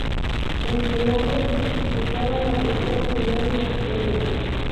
El Mónaco disputaba la primera final de su historia.